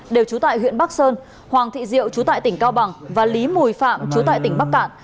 đều trú tại huyện bắc sơn hoàng thị diệu chú tại tỉnh cao bằng và lý mùi phạm chú tại tỉnh bắc cạn